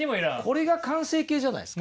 これが完成形じゃないすか。